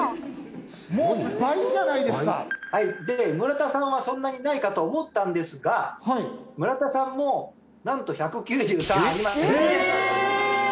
もう倍じゃないですかはいで村田さんはそんなにないかと思ったんですが村田さんもなんと１９３ありますええ！